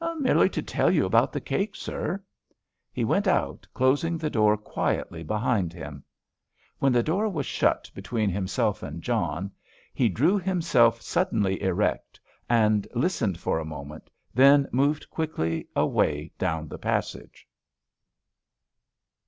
"Merely to tell you about the cake, sir." He went out, closing the door quietly behind him. When the door was shut between himself and John, he drew himself suddenly erect, and listened for a moment, then moved quickly away down the passage.